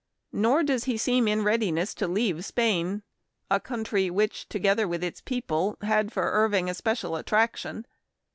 Nor does he seem in readiness to leave Spain, a country which, together with its people, had for Irving a special attraction.